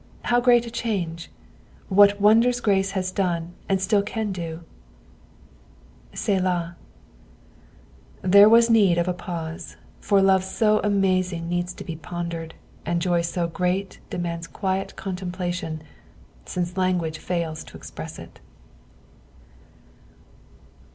How great a change I What wonders grace has done and still can do t " 8elah." There was need of a pause, for love so amazing needs to be pondered, and joy BO great demands quiet contemplation, since Isngtiage fails to express it.